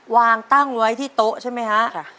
วางตั้งไว้ที่โต๊ะใช่ไหมฮะ